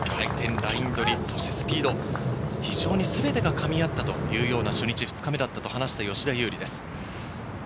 ライン取り、スピード、非常にすべてが噛み合ったというような初日、２日目だったと話した吉田優利です。